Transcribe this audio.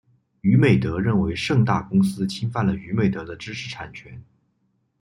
娱美德认为盛大公司侵犯了娱美德的知识产权。